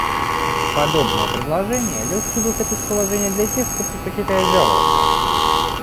Подобное предложение — легкий выход из положения для тех, кто предпочитает жаловаться.